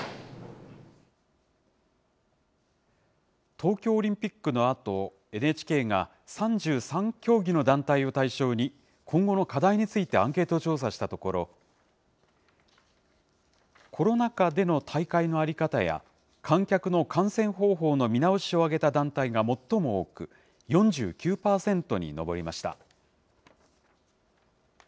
東京オリンピックのあと、ＮＨＫが３３競技の団体を対象に、今後の課題についてアンケート調査したところ、コロナ禍での大会の在り方や、観客の観戦方法の見直しを挙げた団体が最も多く、４９％に上りました。